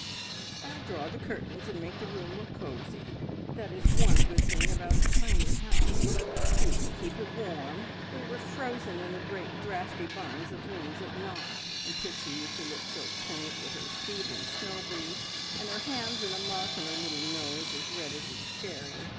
"I'll draw the curtains and make the room look cosy. That is one good thing about a tiny house you can keep it warm. We were frozen in the great draughty barns of rooms at Knock, and Pixie used to look so quaint with her feet in snow boots, and her hands in a muff, and her little nose as red as a cherry.